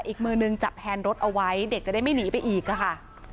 อีกมือนึงจับแฮนรถเอาไว้เด็กจะได้ไม่หนีไปอีกค่ะ